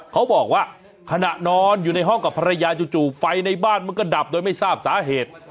เขาบอกว่าขณะนอนอยู่ในห้องกับภรรยาจู่ไฟในบ้านมันก็ดับโดยไม่ทราบสาเหตุ